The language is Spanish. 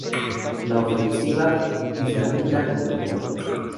La ofensiva islamista continuó.